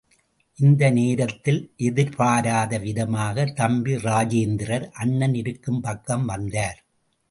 இந்த நேரத்தில் எதிர்பாராத விதமாக, தம்பி ராஜேந்திரர் அண்ணன் இருக்கும் பக்கம் வந்தார்.